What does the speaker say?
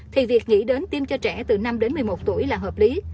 thì việc nghĩ đến tiêm cho trẻ từ năm đến một mươi một tuổi là hợp lý